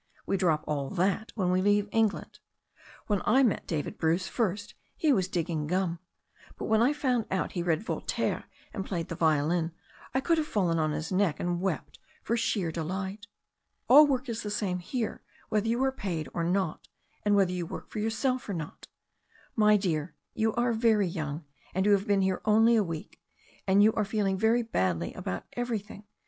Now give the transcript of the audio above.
We drop all that when we leave England. When I met David Bruce first he was digging gum, but when I found out he read Voltaire and played the violin I could liave fallen on his neck and wept for sheer delight. All work is the same here whether you are paid or not and whether you work for yourself or not. My dear, you are very young, and you have been here only a week, and you are feeling very badly about everything.